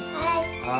はい。